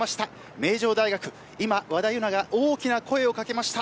名城大学和田有菜が大きな声をかけました。